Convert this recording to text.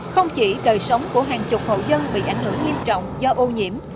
không chỉ đời sống của hàng chục hậu dân bị ảnh hưởng nghiêm trọng do ô nhiễm